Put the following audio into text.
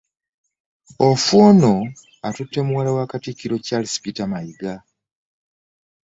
Ofwono atutte muwala wa katikkiro Charles Peter Mayiga